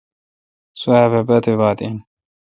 سوبھ باتیبات این۔